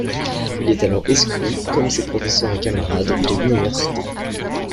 Il est alors exclu, comme ses professeurs et camarades, de l'université.